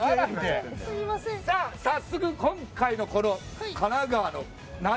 早速今回の神奈川の鍋